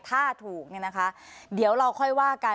ถ้าถูกเนี่ยนะคะเดี๋ยวเราค่อยว่ากัน